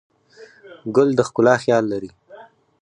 ګل د ښکلا خیال لري.